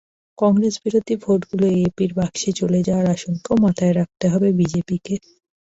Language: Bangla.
কংগ্রেসবিরোধী ভোটগুলো এএপির বাক্সে চলে যাওয়ার আশঙ্কাও মাথায় রাখতে হবে বিজেপিকে।